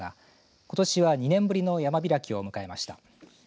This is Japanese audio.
ことしは２年ぶりの山開きを迎えました。